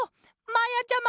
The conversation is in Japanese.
まやちゃま！